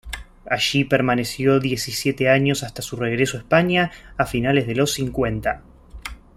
Allí permaneció diecisiete años hasta su regreso a España a finales de los cincuenta.